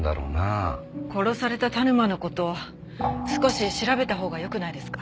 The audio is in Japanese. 殺された田沼の事少し調べたほうがよくないですか？